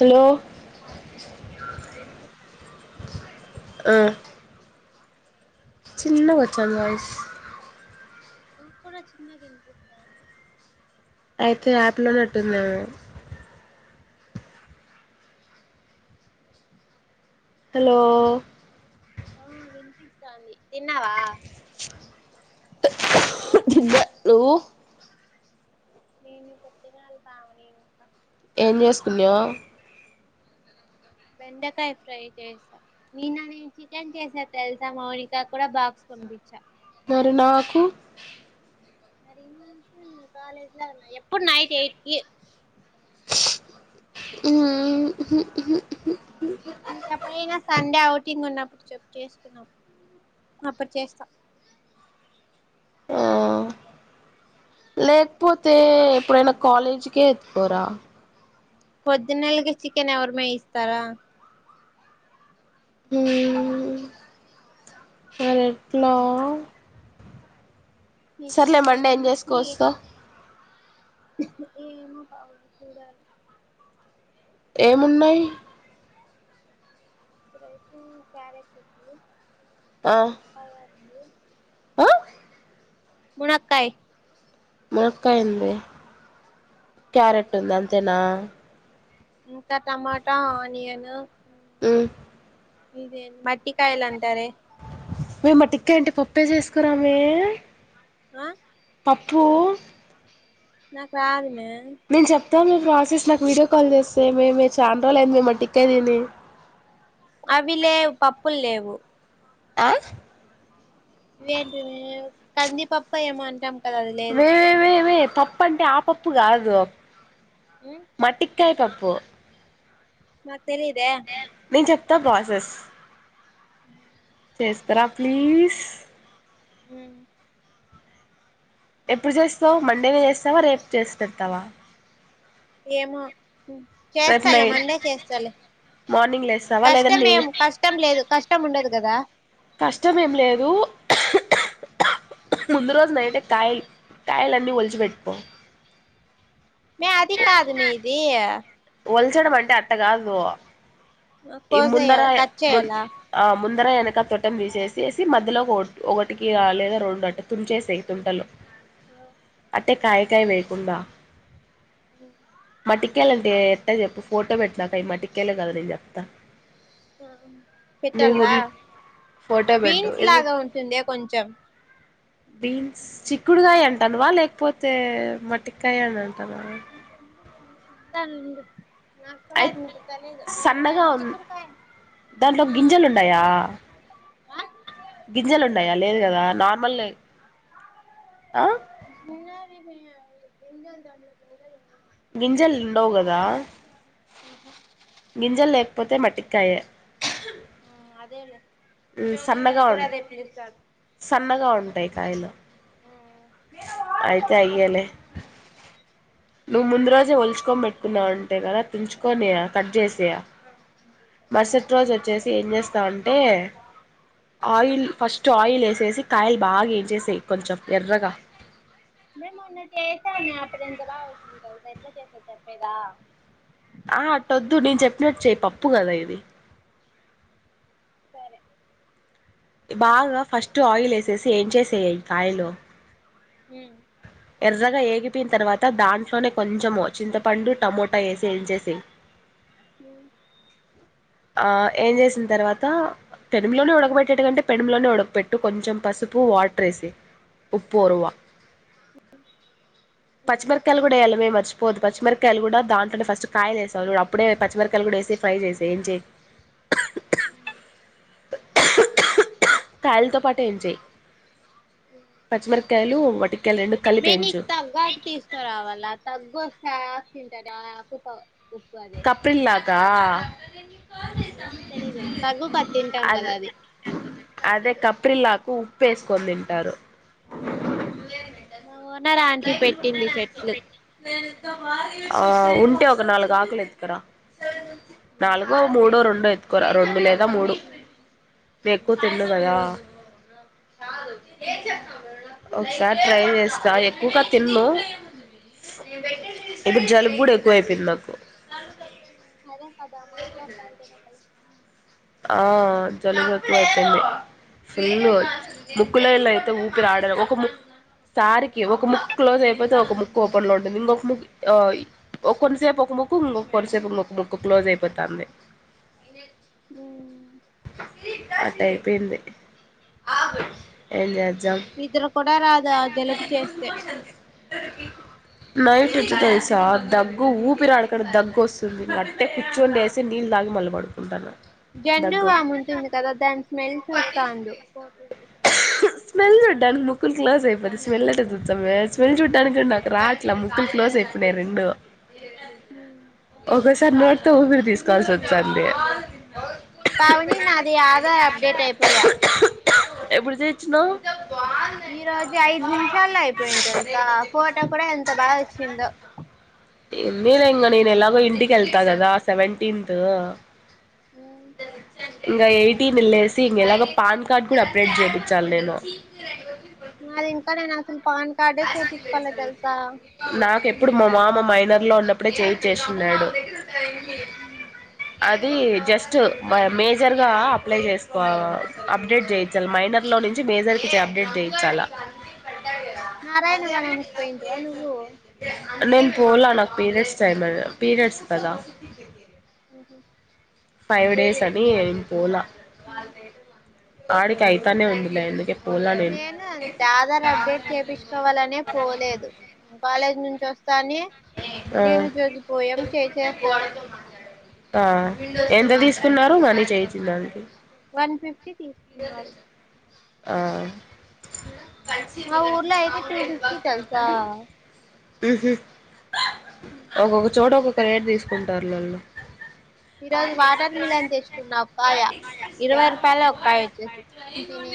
Hello ఆ వినిపిస్తాంద ఆ చిన్నగా వచ్చంది వాయిస్ నువ్వు కూడా చిన్నగా వినిపిస్తంది అయితే యాప్ లోనే అట్టుందేమో హలో ఆ వినిపిస్తంది తిన్నావా తిన్న నువ్వు నేను ఇప్పుడు తినాలి పావని ఇంకా ఏం చేసుకున్నావ్ బెండకాయ ఫ్రై చేస్తా. నిన్న నేను చికెన్ చేసా తెలుసా? మౌనికా కూడా బాక్స్ పంపించా. మరి నాకు. మరి నాకు నువ్వు కాలేజీలో ఉన్నావ్ ఎప్పుడు నైట్ ఎయిట్కి. హ్మ్! హు హు హూ. నీకు ఎప్పుడైనా సండే అవుట్. ఔటింగ్ ఉన్నప్పుడు చెప్పు చేసుకున్నాం అప్పుడు చేస్తా. హ్మ్! లేకపోతే ఎప్పుడైనా కాలేజీకే ఎత్తుకోరా. ప్రొద్దున్నే ఐదుకు చికెన్ ఎవరు మే ఇస్తారు. హ్మ్ మరి ఎట్లా? సరేలే ఎట్లా మండే ఏం నీ చేసుకువస్తావ్? [inaudible] ఏమో బావుంటే చూడాలి. ఏమున్నాయి? ఇప్పుడు అయితే క్యారెట్ ఉంది. ఆ మునక్కాయ ఉంది. ఆ మునక్కాయ్ మునక్కాయ ఉంది క్యారెట్ ఉంది అంతేనా? ఇంకా టమాటా, ఆనియన్ హ్మ్! ఇదే మట్టి కాయలు అంటారే మ్మే, మట్టికాయ అంటే పప్పే చేసుకురామ్మే? ఆ పప్పు నాకు రాదుమ్మే. మేము చెప్ మీ ప్రాసెస్ నాకు వీడియో కాల్ చేస్తే ఏమి? ఏమి? మేము చాలా రోజులైంది మీ మొట్టికాయ తిని. అవి లేవు పప్పులు లేవు. ఆ ఏంటివి కందిపప్పు ఏమో అంటాం. కదా అది లేదు వేే వే వే పప్పంటే ఆపప్పు కాదు. ఉమ్ మట్టిక్ వంకాయ్ పప్పు. మ [unintelligible] తెలీదా? [unintelligible] ప్రాసెస్ చేస్తరా ప్లీజ్. హ్మ్! ఎప్పుడు చేస్తావ్? మండేనే చేస్తావా, రేపు చేసి పెడతావా? ఏమో రేపు చేస్తాలే నైట్ మండే చేస్తాలే మార్నింగ్ లేస్తావా లేదంటే కష్టం నేను ఏం కష్టం లేదు కష్టం ఉండదు కదా. కష్టం ఏం లేదు ముందు రోజు నైటే కాయలు కాయలన్నీ ఒలిచిపెట్టుకో. మ్మే! అది కాదుమ్మే! ఇది. ఒల్చడం అంటే అట్ట కాదు ఈ ముందర కోసేయాల కట్ మున్ చేయాలా ఆ ముందర వెనుక తొట్టెం తీసేసేసి మధ్యలో ఒకటికి లేదా రెండు అట్ట తుంచేసేయ్ తుంటలు ఆహా అంటే కాయ కాయ వేయకుండా [inaudible] మట్టి కాయలు అంటే ఎట్ట చెప్పు ఫోటో పెట్టు నాకు అవి మటి కాయలో కాదో నేను చెప్తా [inaudible] ఆ మీ పెట్టాలా ఊర్లో ఫోటో పెట్టు బీన్స్ ఎందు లాగా ఉంటుందే కొంచెం బీన్స్ చిక్కుడుకాయ అంటాన్నవా లేకపోతే మట్టికాయ అని అంటాన్నవా పెత్తన్న ఉండు నాకు కూడా అయి అది తెలిదు మేము సన్నగా దాన్ని ఉ చిక్కుడుకాయ అంటాం దాంట్లో ఆ గింజలు ఉన్నాయా సన్నగా ఉంటు గింజలు ఉన్నాయా లేదు కదా నార్మలే ఆ చిన్నవి గింజలు దాని లో [inaudible] గింజలు ఉండవు కదా ఉహు గింజలు లేకపోతే మట్టిక్కాయే ఉ అదేలే జోగి వాళ్ళు కూడా సన్నగావను అదే పిలుస్తారు సన్నగావను ఉట్టేయ కాయలు అయితే అయ్యాలే నువ్వు ముందు రోజే వల్చుకోనిబేట్టి తున్న అంటే కదా తించుకొని కట్ చేసి మరుసటి రోజు వచ్చేసి ఏం చేస్తావు అంటే ఆయిల్ ఫస్ట్ ఆయిల్ వేసేసి కాయలు బాగా వేపి చేసి కొంచెం ఎర్రగా మేము మొన్న చేస్తానే అప్పుడు ఎంత బాగా తెలుసఎట్లా చేసేది చెప్పేద ఆ ఆట్టొద్దు నేను చెప్పినట్టు చెయి పప్పు కదా ఇది సరే బాగా ఫస్ట్ ఆయిల్ వేసేసి వేయించేసే ఐ కాయలు హు ఎర్రగా ఏగిపోయిన తర్వాత దాంట్లోనే కొంచెము చింతపండు టమోటా వేసి వేయించేసే ఉ ఆ వేయించేసిన తర్వాత పెనుములోనే ఉడకబెట్టేటకంటే పెనుములోనే ఉడకపెట్టు కొంచెం పసుపు వాటర్ వేసి ఉప్పు ఉరువ పచ్చిమిరకాయలు కూడా వేయలిమి మర్చి పోద్దు పచ్చిరకాయలు కూడా దాంట్లోనే ఫస్ట్ కాయలు వేసవు అప్పుడే పచ్చిమిరకాయలు కూడా వేసి ఫ్రై చేసే ఏం చేయకు ఉ కాయలతో పాటు వేయించే ఉ వటికాయలు రెండు కలిపి ఏంచు మేనీకు తగ్గాక తీసుకురావాలా దగ్గు సాస్ తింటాద ఆకుప ఉప్పు అదే తా ఏమో తెలీదు తగ్గుకు తింటాం కదా అది పిర్లకు ఉప్పు వేసుకొని తింటారు మా ఓనర్ ఆంటీ పెట్టింది చెట్లు ఆ ఉంటే ఒక నాలుగు ఆకులు ఎత్తుకురా నాలుగో మూడో రెండో ఏతు కురా రెండు లేదా మూడు ఎక్కువ తిన్ను కద చాలు ఏమీ చేస్తున్నవు ఒకసారి ట్రై చేస్తా ఎక్కు ఇంకా తిన్ను ఇప్పుడు జలుబు కూడా ఎక్కువైపోయింది నాకు మరిమే కదా మాట్లాడుతాను అంటే నే కలుస్తాను ఆ జలుబు ఎక్కువ అయిపోయింది ఫుల్ ముక్కులో ళ అయితే ఊపిరిరాడదు ఒక ముక్కు సారికి ఒక ముక్కు క్లోజ్ అయిపోతే ఒక ముక్కు ఓపెన్లో ఉంటుంది ఇంకొక ముక్కు ఓయ్ కొన్నిసేపు ఒక ముక్కు ఇంకొక కొన్నిసేపు ఇంకొక ముక్కు క్లోజ్ అయిపోతుంది ఊ అట్ట అయిపోయింది ఏమిచేదం నిద్ర కూడా ర రాఫ్జలుబు చేస్తే నైట్ వచ్చి తెలుసా దగ్గు ఊపిరాడకుండ దగ్గు వస్తుంది అట్టే కూర్చోని లేసి నీళ్ళు తాగి మళ్ళ పడుకుంటాను జండు దగ్గు బాముంటుంది కదా దాని స్మెల్ చూస్తా ఉండు పోతుంది స్మెల్ చూడ్డానికి ముక్కులు క్లోజ్ అయిపోయి స్మెల్ అట్టే చూద్దా స్మెల్ చూడ్డానికి నాకు రాట్లా ముక్కులు క్లోజ్ అయిపోయి రెండు హ సార్ నోడితే ఊపిరు తీసుకోవాల్సి వస్తోంది ఆ పావని నాది ఆధార్ అప్టేట్ అయిపోయా ఎప్పుడు చేయిచ్చినవు ఈ రోజు ఐదు నిమిషాలో అయిపోయింది తెలుసా ఫోటో కూడా ఎంత బాగా వచ్చిందో నేను ఇంకా నేను ఎలాగో ఇంటికి వెళ్తా కదా సెవెంటీన్త్ ఇంకా ఎయిటీన్ వెళ్ళసి ఇంక ఎలాగో పాన్ కార్డ్ కూడా అప్డేట్ చేయిచాలి నేను మాది ఇంకా నేనాసలు నాకెప్పుడు మా మామమ్ మాయ పిల్లర్లో ఉన్నప్పుడే చేయించేసి ఉన్నాడు అది జస్ట్ మేజర్గా అప్లై చేసుకో అప్డేట్ చేయించాలి మైనర్లో నుంచి మేజర్కి అప్డేట్ చేయించాలి నారాయణ వనం కి పోయిట్వా నువ్వు నేను పోలా నాకు పీరియడ్స్ టైం అ పీరియడ్స్ కదా అ ఫైవ్ డేస్ అని పోలా వాళ్ళదే ఆడి కైతనే ఉందిలే ఇగ నేను అంతే ఆధార్ అప్డేట్ చేపిచుకోవాలనే పోలేదు బాలే నించో కానీ ఆ నేను జోతిపోయా చేసేశారు ఆ ఎంత తీసుకున్నారు మనీ చేయిచిందానికి వన్ ఫిఫ్టీ ఇంగ తీసుకున్నారు తెలుసా ఆ మా ఊర్లో అయితే టూ ఫిఫ్టీ తెలుసా ఉహు ఒక్కొక్క చోట ఒకొక్ రేట్ తీసుకుంటారులళ్ళు ఈ రోజు వాటర్ మిలన్ తెచ్చుకున్న ఒకకాయ ఇరవై రూపాయల ఒకకాయ వచ్చేసి తినే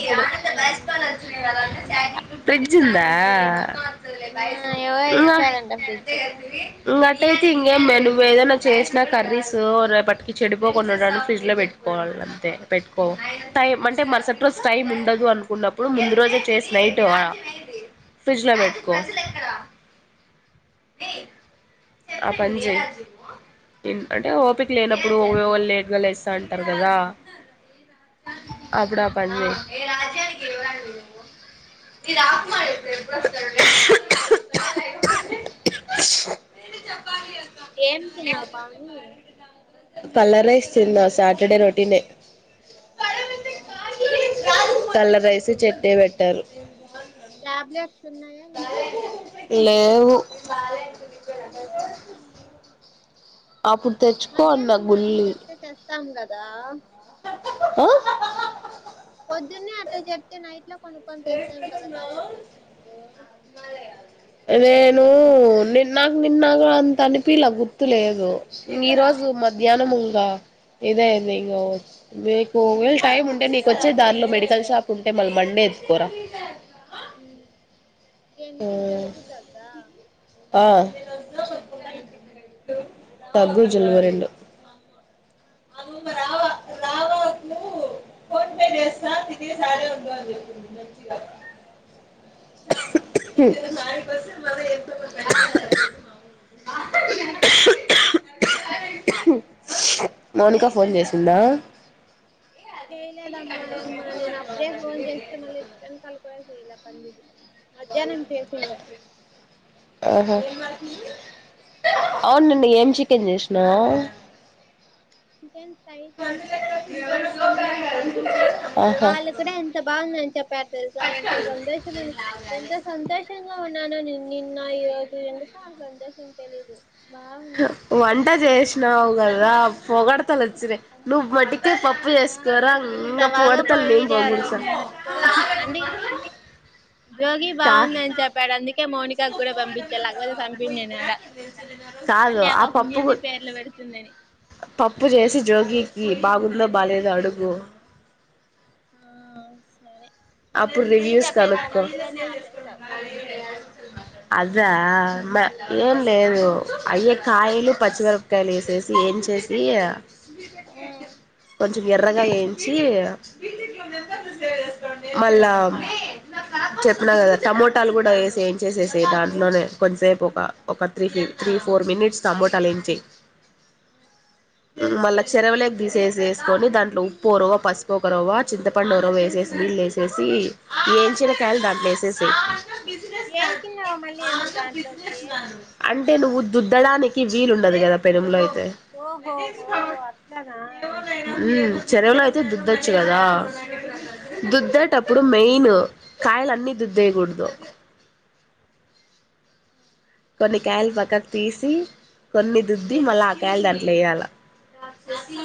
ఇప్పుడు అన్ని ఫ్రిడ్జ్ లో పెట్టుకొని తింటా ఫ్రిడ్జ్ ఉందా ఆ ఆ ఎవరో ఉమ్మ ఇచ్చారంట ఫ్రిడ్జ్ ఇంకటయితే ఇంకేం నువ్వు ఏదైనా చేసినా కర్రీస్ రేపటికి చెడిపోకోకుండా ఉండటానికి ఫ్రిడ్జ్ లో పెట్టుకోవాలి అంతే పెట్టుకో టై అంటే మరసటి స్ టైమ్ ఉండదు అనుకున్నప్పుడు ముందు రోజే చేసి నైట్ వ ఫ్రిడ్జ్ లో పెట్టుకో ఆ పని చేయ్ అంటే ఓపిక లేనప్పుడు వాళు లేట్గా లేస్తా అంటారు కదా అప్పుడు ఆ పని చేయి [unintelligible] ఏమీ తిన్నావు పావని పల్ల రైస్ తిన్నా సాటర్డే రొటీనే కలర్ రైస్, చట్నీ పెట్టారు టాబ్లెట్ ఉన్నాయా లేదా లేవు అప్పుడు తెచ్చుకో అన్న గుల్లివి దా ఆ పొద్దున్నే అట చెప్తే నైట్ ఇట్లా కొనుక్కని తెస్తాం కదా కాలేజ్కి వచ్చినప్పుడు నేను నిన్ నాకు నిన్న అంత అనిపి లా గుర్తు లేదు ఈరోజు మధ్యాహ్నం ఉంగా ఇదేంది ఇంగో మీకు వీళ్ళు టైమ్ ఉంటే నీకు వచ్చే దారిలో మెడికల్ షాప్ ఉంటే మల్ బండేది పోరా ఊ దేనికి గెలుగుతాందా ఆ దగ్గు జలుబు రెండు ఆలు మరవా రావద్దు ఫోన్ పే జేస్తా సరే వుండు అని చెపింది మంచిగ [unintelligible] మౌనికా ఫోన్ చేసిందా చేయలేదమ్మా అమ్మా నేను అప్పుడే ఫోన్ చేస్తే మళ్ళీ రీటన్ కాలు పోయ్ చేయల పంది భయము మనం పెటింది ఆహా అవున్ నిన్న ఏం చికెన్ చేసినావు చికెన్ ఫ్రై చేస ఆహా వాళ్ళు కూడా ఎంత బాగుందని చెప్ చెప్పారు తెలుసా ఎంత సంతోషం అని ఎంత సంతోషంగా ఉన్నానో నేన్ నిన్న ఈ రోజు ఎందుకో ఆ సంతోషం తెలీదు బాగున్నా వంట చేేష్ స్నావుగద పోగడతల్ వచ్చినయ్ నువ్ మటికే పప్పు ఆ చేసుకోరా ఎంత ఇంగా బాగా పోగడతాల్ నేన్ పొగిడారు పోగుడుత మౌనిక. అంది జోగి బాగుందని చెప్పాడు అందుకే మో మోనికా కూడా పంపించాల లేకపోతే సంపిందిని ఆడ కాదు మళ్ళీ అబ ఆ పప్పు హున్నింది పేర్లు పెడుతుందని ఈ బాగుందో బాలేదో అడుగు ఆ సరే నువ్వు అప్పుడు రెసిపీ రివ్యూస్ చెప్పేదాని కనుకో మధ్యలోనే ఆపేసావ్ అద్ దా మ ఏం లేదు అయ్యే కాయలు పచ్చిమిరపకాయలు వేసేసి ఏం చేసి కొంచెం ఎర్రగా ఏంచి మళ్ళా చెపిన కదా టమోటాలు కూడా ఏసి ఏంచసేసి దాంట్లోనే కొంతసేపు ఒక ఒక త్రీ ఫిఫ్ ఒక త్రీ ఫోర్ మినిట్స్ టమోటాలు ఏంచయ్ ఊ మళ్ళ చెరవలేకి తీసేసేసుకొని దాంట్లో ఉప్పు ఒరవ పసుపు ఒకరవా చింతపండు ఒరవ వేసేసి నీళ్లు ఏసి ఏసి ఏంచినకాయలు దాంట్ల ఏసేసెయ్ ఏం చిన్నావు మళ్ళీ ఎందుకు దాంట్లోకి అంటే నువ్వు దుద్దడానికి వీలుండదు కదా పెనములో అయితే ఓహోహో అట్లనా చెరువులో అయితే దుద్దొచ్చు గదా టప్పుడు మెయిన్ కాయలు అన్నీ దుద్దేగూడదు కొన్ని కాయలు పక్కకు తీసి, కొన్ని దుద్ది మళ్ళ ఆ కాయలు దాంట్లో ఎయ్యాల.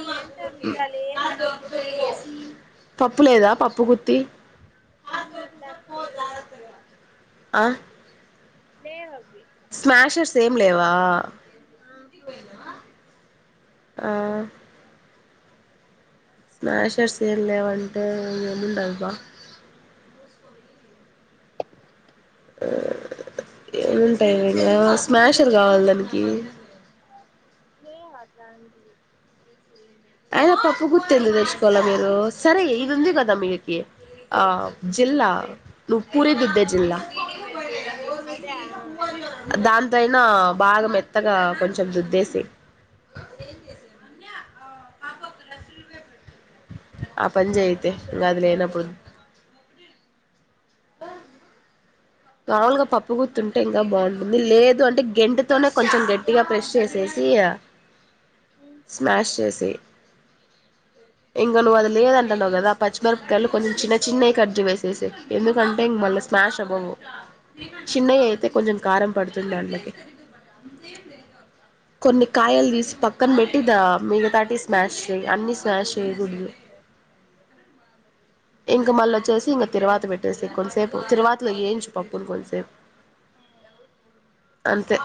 దేంతో రుద్దాలీ పప్పు లేదా పప్పు గుత్తి ఉహూ అట్లాటిద్ లేవే అ లేవ్ అవ్వి స్మాషర్స్ ఏం లేవా ఆహ ఆ స్మాషర్స్ ఏం లేవాంటే ఏముండై బా ఏముంటయి ఇంగ స్మాషర్ గావాలి దానికీ లేవు అట్లాంటివి అయినా పప్పు గుత్తీలు తెచ్చుకలా మీరూ, సరే ఇది ఉంది కదా మీకి, ఆ జిల్లా నువ్ పూరీ దిద్దే జిల్లా. అదా ఆ ఆ ఆ తైనా బాగా మెత్తగా కొంచెం దుద్దేసెయ్ ఆ పని చేయ్ అయితే ఇంగ అది లేనప్పుడు మావులుగా పప్పు గుత్తుంటే ఇంగా బాగుంటుంది. లేదు అంటే గెంటతోనే కొంచెం గట్టిగా ప్రెష్ చేసేసీ అ. స్మాష్ చేేస్ ఇంగ నువ్వు అది లేదంటన్నావు కదా పచ్చిమిరపకాయలు కొన్ చిన్న చిన్నయి కట్జి వేసేసెయ్. ఎందుకంటే ఇన్ మళ్ళీ స్మాష్ అవ్వవు. చిన్నయ్ అయితే కొంచెం కారం పడుతుంది దాంలకి. కొన్ని కాయల్ తీసి పక్కన పెట్టి ద్దా మిగతాటి స్మాష్ చేయ్ అన్నీ స్మాష్ చేయగూడదు. ఇంక మళ్ళ ఒచ్చేసి ఇంగ తిరువాత పెట్టేసెయ్ కొంసేపు తిరువాతిలో ఏంచు. పప్పుల్ కొంసే ఆ అంతే